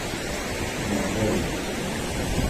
Mon œil !